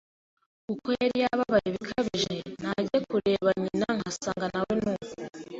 kuko yari yababaye bikabije, najya kureba nyina nkasanga na we nuko,